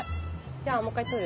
じゃあもう一回撮る？